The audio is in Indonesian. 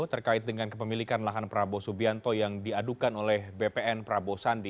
terkait dengan kepemilikan lahan prabowo subianto yang diadukan oleh bpn prabowo sandi